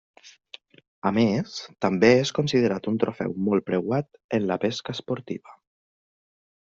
A més, també és considerat un trofeu molt preuat en la pesca esportiva.